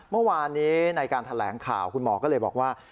เมื่อวานนี้ในการแถลงข่าวคุณหมอก็เลยบอกว่า